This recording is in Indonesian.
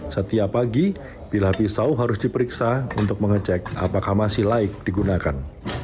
setiap pagi pilah pisau harus diperiksa untuk mengecek apakah masih laik digunakan